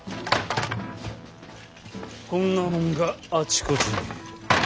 こんなもんがあちこちに。